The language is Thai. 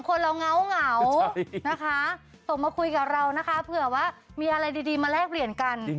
คนเราเหงานะคะส่งมาคุยกับเรานะคะเผื่อว่ามีอะไรดีมาแลกเปลี่ยนกัน